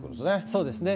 そうですね。